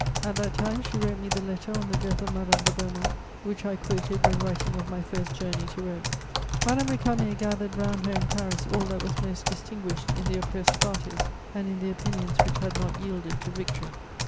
At that time she wrote me the letter on the death of Madame de Beaumont which I quoted when writing of my first journey to Rome. Madame Récamier gathered round her in Paris all that was most distinguished in the oppressed parties and in the opinions which had not yielded to victory.